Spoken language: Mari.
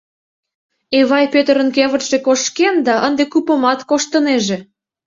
— Эвай Пӧтырын кевытше кошкен да ынде купымат коштынеже.